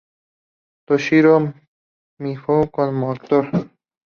Toshiro Mifune como actor.